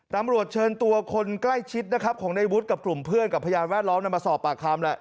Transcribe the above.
ตำรวจเชิญตัวคนใกล้ชิดนะครับของในวุฒิกับกลุ่มเพื่อนกับพยานแวดล้อมมาสอบปากคำแหละ